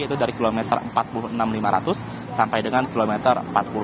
yaitu dari kilometer empat puluh enam lima ratus sampai dengan kilometer empat puluh lima